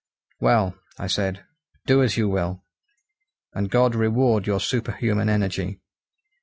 "Well," I said, "do as you will, and God reward your superhuman energy.